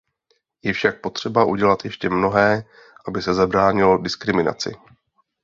Je však potřeba udělat ještě mnohé, aby se zabránilo diskriminaci.